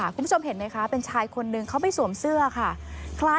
คุณผู้ชมเห็นไหมคะเป็นชายคนนึงเขาไม่สวมเสื้อค่ะ